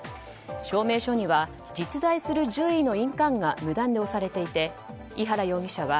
証明書には実在する獣医の印鑑が無断で押されていて井原容疑者は